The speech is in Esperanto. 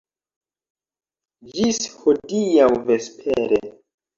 Ĝis hodiaŭ vespere.